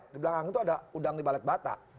di belakang itu ada udang dibalik bata